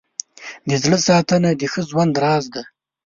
د زړه ساتنه د ښه ژوند راز دی.